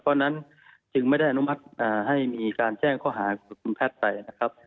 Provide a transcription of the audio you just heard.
เพราะฉะนั้นจึงไม่ได้อนุมัติให้มีการแจ้งข้อหาคุณแพทย์ไปนะครับ